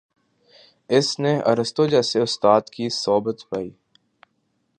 اس نے ارسطو جیسے استاد کی صحبت پائی